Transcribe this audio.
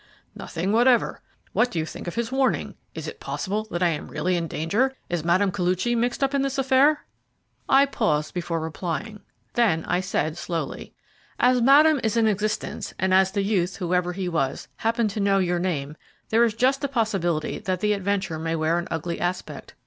"Nothing whatever. What do you think of his warning? Is it possible that I am really in danger? Is Mme. Koluchy mixed up in this affair?" I paused before replying, then I said slowly: "As Madame is in existence, and as the youth whoever he was, happened to know your name there is just a possibility that the adventure may wear an ugly aspect.